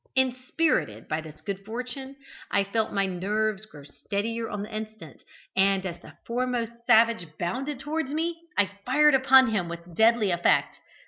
Inspirited by this good fortune, I felt my nerves grow steadier on the instant, and as the foremost savage bounded towards me, I fired upon him with deadly effect.